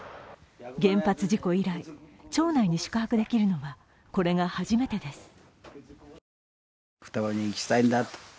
原発事故以来、町内に宿泊できるのはこれが初めてです。